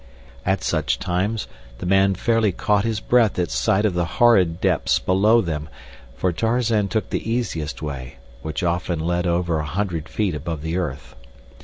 At such times the man fairly caught his breath at sight of the horrid depths below them, for Tarzan took the easiest way, which often led over a hundred feet above the earth.